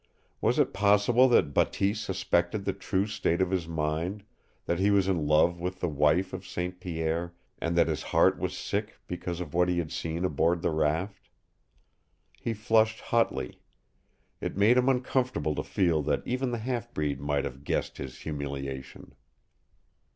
Was it possible that Bateese suspected the true state of his mind, that he was in love with the wife of St. Pierre, and that his heart was sick because of what he had seen aboard the raft? He flushed hotly. It made him uncomfortable to feel that even the half breed might have guessed his humiliation.